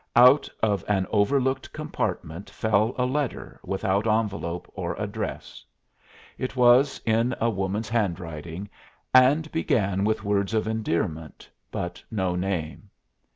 Out of an overlooked compartment fell a letter without envelope or address. It was in a woman's handwriting, and began with words of endearment, but no name.